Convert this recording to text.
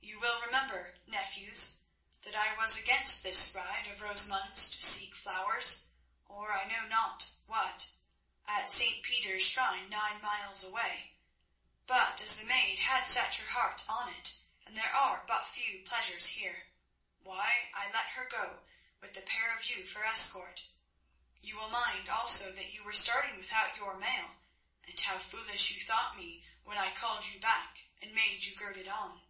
"You will remember, nephews, that I was against this ride of Rosamund's to seek flowers, or I know not what, at St. Peter's shrine, nine miles away, but as the maid had set her heart on it, and there are but few pleasures here, why, I let her go with the pair of you for escort. You will mind also that you were starting without your mail, and how foolish you thought me when I called you back and made you gird it on.